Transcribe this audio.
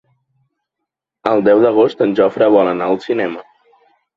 El deu d'agost en Jofre vol anar al cinema.